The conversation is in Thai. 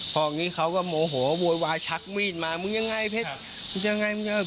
พอนี้เขาก็โมโหโววาชักมีดมามึงยังไงเพชรมึงยังไงมึงยังไง